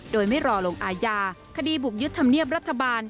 โดยไม่รอลงอาญาคดีบุกยึดธรรมเนียบรัฐบาล